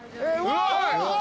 うわ！